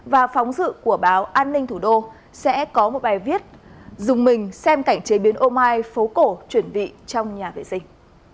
và phóng dự của báo an ninh thủ đô sẽ có một bài viết dùng mình xem cảnh chế biến ômai phấu cổ chuyển vị trong nhà vệ sinh